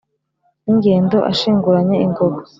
n’ingendo ashinguranye ingoga